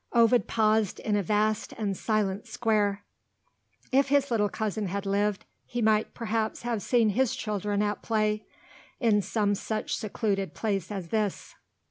Ovid paused in a vast and silent square. If his little cousin had lived, he might perhaps have seen his children at play in some such secluded place as this.